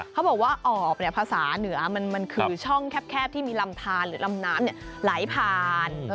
เขาบอกว่าออบภาษาเหนือมันคือช่องแคบที่มีลำทานหรือลำน้ำไหลผ่าน